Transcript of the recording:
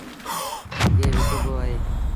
گيه وڪبو با اهي۔